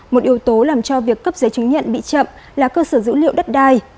một yếu tố làm cho việc cấp giấy chứng nhận bị chậm là cơ sở dữ liệu đất đai